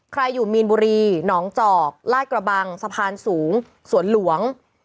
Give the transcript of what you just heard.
ใครอยู่มีนบุรีหนองจอกลาดกระบังสะพานสูงสวนหลวง